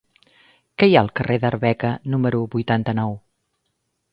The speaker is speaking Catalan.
Què hi ha al carrer d'Arbeca número vuitanta-nou?